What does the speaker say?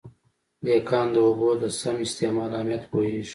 دهقان د اوبو د سم استعمال اهمیت پوهېږي.